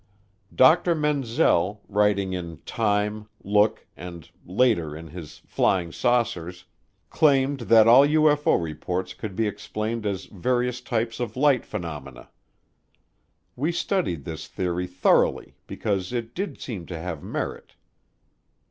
Dr. Menzel, writing in Time, Look, and later in his Flying Saucers, claimed that all UFO reports could be explained as various types of light phenomena. We studied this theory thoroughly because it did seem to have merit.